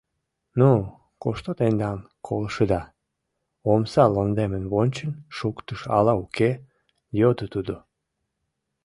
— Ну, кушто тендан колышыда? — омса лондемым вончен шуктыш ала уке, йодо тудо.